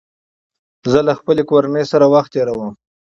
زه له خپلې کورنۍ سره وخت تېروم